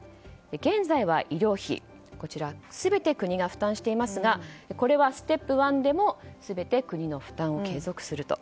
現在は医療費、こちらは全て国が負担していますがこれはステップ１でも全て国の負担を継続すると。